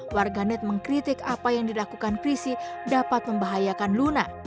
warganet mengkritik apa yang dilakukan chrisy dapat membahayakan luna